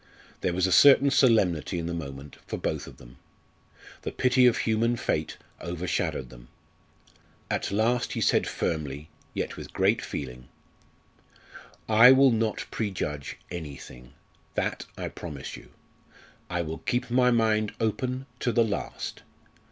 There was a certain solemnity in the moment for both of them. The pity of human fate overshadowed them. At last he said firmly, yet with great feeling: "I will not prejudge anything, that I promise you. I will keep my mind open to the last.